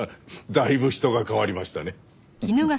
だいぶ人が変わりましたね。